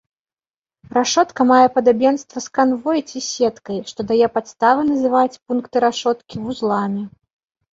Рашотка мае падабенства з канвой ці сеткай, што дае падставы называць пункты рашоткі вузламі.